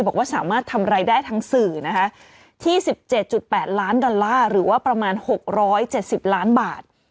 บอกว่าสามารถทำรายได้ทั้งสื่อนะคะที่๑๗๘ล้านดอลลาร์หรือว่าประมาณ๖๗๐ล้านบาท